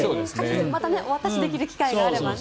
またお渡しできる機会があればね。